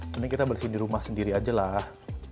mending kita bersihin di rumah sendiri aja lah